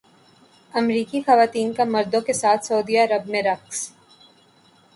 امریکی خواتین کا مردوں کے ساتھ سعودی عرب میں رقص